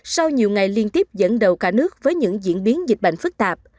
sau nhiều ngày liên tiếp dẫn đầu cả nước với những diễn biến dịch bệnh phức tạp